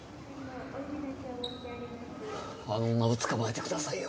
あの女を捕まえてくださいよ。